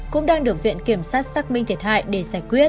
cũng đang được viện kiểm sát xác minh thiệt hại để giải quyết